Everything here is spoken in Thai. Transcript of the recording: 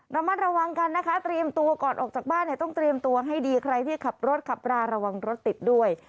ระมัดระวังกันนะคะเตรียมตัวก่อนออกจากบ้านเนี่ยต้องเตรียมตัวให้ดีใครที่ขับรถขับราระวังรถติดด้วย